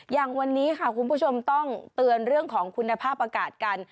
อย่างวันนี้ค่ะคุณผู้ชมต้องเตือนเรื่องของคุณภาพอากาศกัน